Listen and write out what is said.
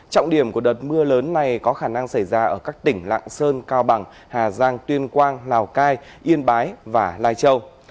trọng điểm của đợt mưa lớn này có khả năng xảy ra ở các tỉnh lạng sơn cao bằng hà giang tuyên quang lào cai yên bái và lai châu